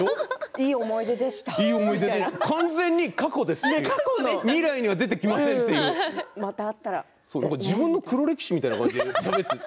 いい思い出で、完全に過去ですし未来には出てきませんという自分の黒歴史みたいな感じでしゃべって。